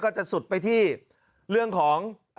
จะสุดไปที่เรื่องของ